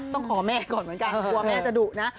ต้องขอแม่ก่อนเหมือนกันกลัวแม่จะดุนะ